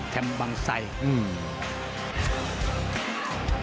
แคมป์บางชัยอืม